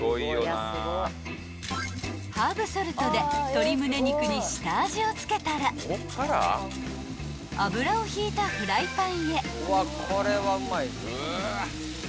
［ハーブソルトで鶏むね肉に下味を付けたら油をひいたフライパンへ］